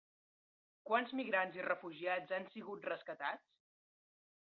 Quants migrants i refugiats han sigut rescatats?